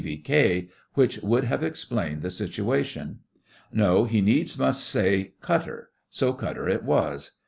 V.K.,' which would have explained the situation. No, he needs must say 'cutter'; so cutter it was.